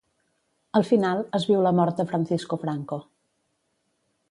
Al final, es viu la mort de Francisco Franco.